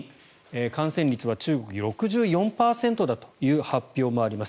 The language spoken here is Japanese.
感染率は中国で６４％だという発表もあります。